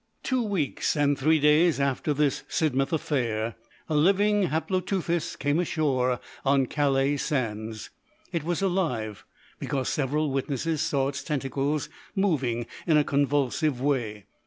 Two weeks and three days after this Sidmouth affair, a living Haploteuthis came ashore on Calais sands. It was alive, because several witnesses saw its tentacles moving in a convulsive way.